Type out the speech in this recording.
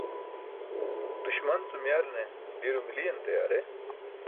Duśman cum yarne diro miliyan tayaar e?